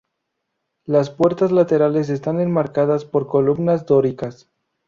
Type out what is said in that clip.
Las puertas laterales están enmarcadas por columnas dóricas.